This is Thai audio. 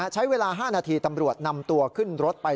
ใช้เวลา๕นาทีตำรวจนำตัวขึ้นรถไป